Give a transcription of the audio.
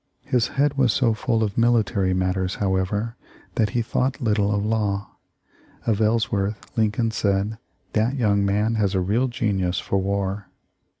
His head was so full of ' military matters, however, that he thought little of law. Of Ellsworth, Lincoln said: That young man has a real genius for war